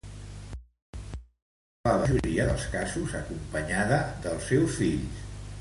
Actuava en la majoria dels casos acompanyada dels seus fills.